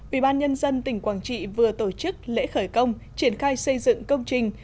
ủy ban nhân dân tỉnh quảng trị vừa tổ chức lễ khởi công triển khai xây dựng công trình